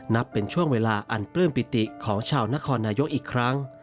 นับเป็นช่วงเวลาอันปลื้มปิติของชาวนครนายกอีกครั้ง